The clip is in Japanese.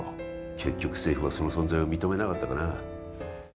結局、政府はその存在を認めなかったがな。